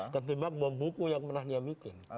ketimbang bom buku yang pernah dia bikin